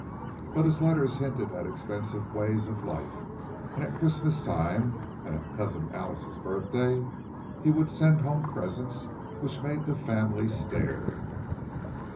But his letters hinted at expensive ways of life; and at Christmas time, and at Cousin Alice's birthday, he would send home presents which made the family stare.